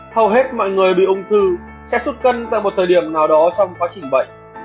hầu hết mọi người bị ung thư sẽ xuất cân tại một thời điểm nào đó trong quá trình bệnh